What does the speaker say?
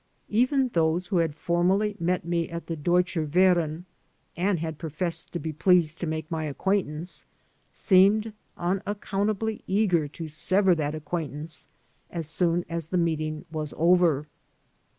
Even those who had formally met me at the Deutscher Verein and had professed to be pleased to make my acquaintance, seemed unaccountably eager to sever that acquaintance as soon as the meeting was over.